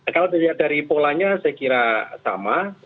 kalau dilihat dari polanya saya kira sama